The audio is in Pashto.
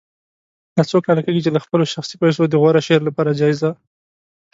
دا څو کاله کېږي چې له خپلو شخصي پیسو د غوره شعر لپاره جایزه